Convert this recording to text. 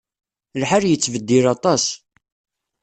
Lḥal yettbeddil aṭas.